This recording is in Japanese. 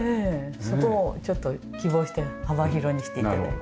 そこをちょっと希望して幅広にして頂きました。